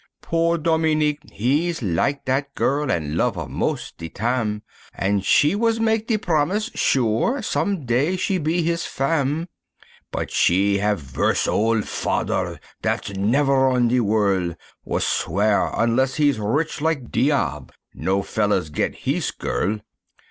Poor Dominique he's lak dat girl, an' love her mos' de tam, An' she was mak' de promise sure some day she be his famme, But she have worse ole fader dat's never on de worl', Was swear onless he's riche lak diable, no feller's get hees girl.